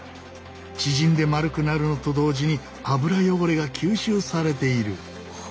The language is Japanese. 縮んで丸くなるのと同時に油汚れが吸収されている。